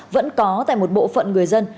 vẫn có tại một bộ phận người dân